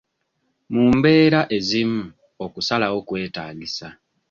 Mu mbeera ezimu, okusalawo kwetaagisa.